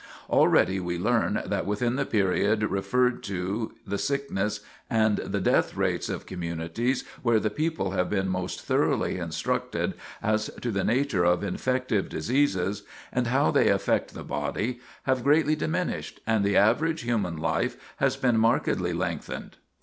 Already we learn that within the period referred to the sickness and death rates of communities where the people have been most thoroughly instructed as to the nature of infective diseases, and how they affect the body, have greatly diminished, and the average human life has been markedly lengthened.